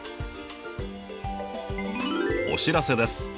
お知らせです。